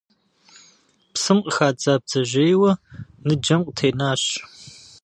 Псым къыхадза бдзэжьейуэ ныджэм къытенащ.